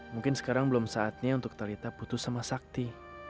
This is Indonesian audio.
mungkin sekarang belum saatnya untuk tarita putus sama sakti